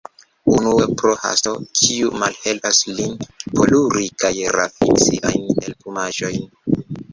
Unue pro hasto, kiu malhelpas lin poluri kaj rafini siajn elplumaĵojn.